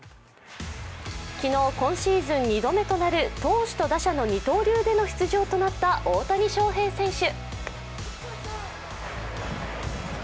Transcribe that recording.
昨日、今シーズン２度目となる投手と打者の二刀流での出場となった大谷翔平選手。